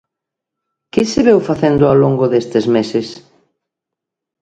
¿Que se veu facendo ao longo destes meses?